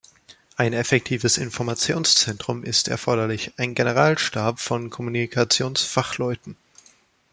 Ein effektives Informationszentrum ist erforderlich, ein Generalstab von Kommunikationsfachleuten.